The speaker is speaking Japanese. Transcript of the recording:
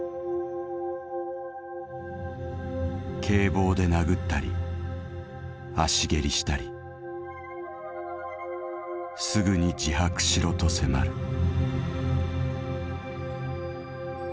「警棒で殴ったり足蹴りしたり『すぐに自白しろ』と迫る」。